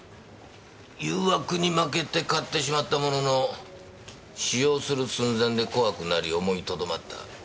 誘惑に負けて買ってしまったものの使用する寸前で怖くなり思いとどまった。